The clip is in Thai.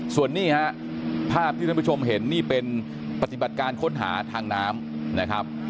ส่วนนี้ฮะภาพที่ท่านผู้ชมเห็นนี่เป็นปฏิบัติการค้นหาทางน้ำนะครับ